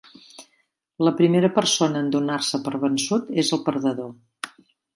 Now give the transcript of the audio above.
La primera persona en donar-se per vençut és el perdedor.